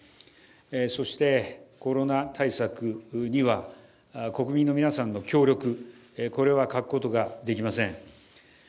そしてコロナ対策には国民の皆さんの協力、これは欠くことができません。